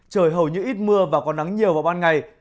trời hầu như ít mưa và có nắng nhiều vào ban ngày